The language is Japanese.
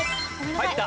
入った。